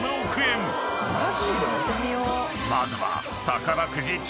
［まずは］